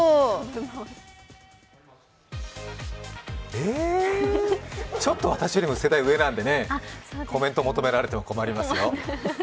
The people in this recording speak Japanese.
えーー、ちょっと私より世代上なんでねコメントを求められても困りますよ。